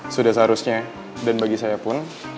sudah seharusnya dan bagi saya pun